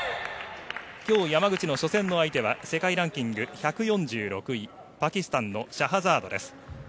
今日、山口の初戦の相手は世界ランキング１４６位パキスタンのシャハザードです。